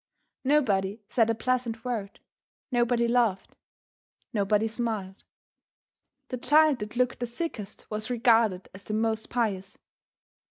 Nobody said a pleasant word; nobody laughed; nobody smiled; the child that looked the sickest was regarded as the most pious.